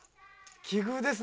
奇遇ですねえ！